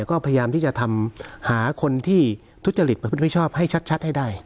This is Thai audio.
ก็พยายามที่จะทำหาคนที่ทุจริตเป็นผู้ที่ไม่ชอบให้ชัดให้ได้